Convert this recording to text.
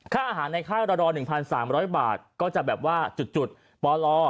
อาหารในค่าระดอ๑๓๐๐บาทก็จะแบบว่าจุดปล